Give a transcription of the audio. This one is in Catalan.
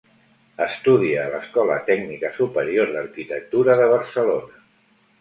Estudia a l'Escola Tècnica Superior d'Arquitectura de Barcelona.